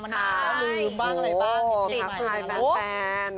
ครับทายแฟน